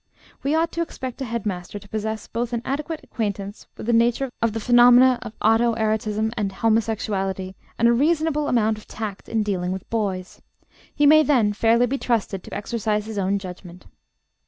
We ought to expect a head master to possess both an adequate acquaintance with the nature of the phenomena of auto erotism and homosexuality, and a reasonable amount of tact in dealing with boys; he may then fairly be trusted to exercise his own judgment.